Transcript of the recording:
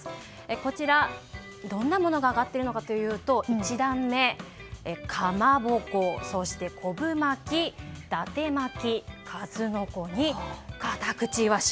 こちら、どんなものが挙がっているのかというと１段目、かまぼこ、昆布巻き伊達巻き、数の子にカタクチイワシ。